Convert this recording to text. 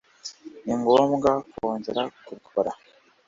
ningomba kongera kubikora